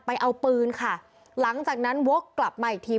ไปเอาปืนค่ะหลังจากนั้นวกกลับมาอีกที